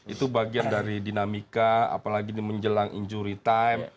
itu bagian dari dinamika apalagi ini menjelang injury time